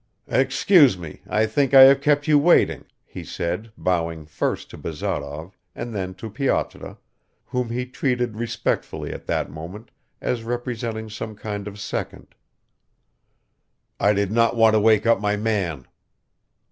"Excuse me, I think I have kept you waiting," he said, bowing first to Bazarov and then to Pyotr, whom he treated respectfully at that moment as representing some kind of second. "I did not want to wake up my man."